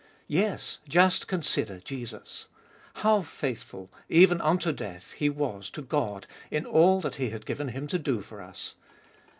Yes, just consider Jesus ! How faithful, even unto death, He was to God in all that He had given Him to do for us.